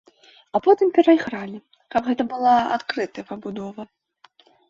А потым перайгралі, каб гэта была адкрытая пабудова.